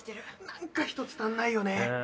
・何かひとつ足んないよね